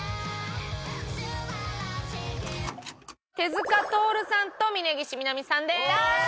手塚とおるさんと峯岸みなみさんです！